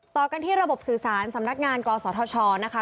ต่อกันที่ระบบสื่อสารสำนักงานกศธชนะคะ